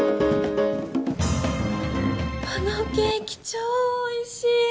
このケーキ超おいしい！